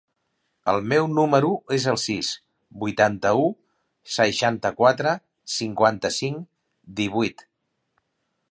El meu número es el sis, vuitanta-u, seixanta-quatre, cinquanta-cinc, divuit.